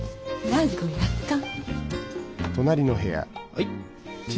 はい。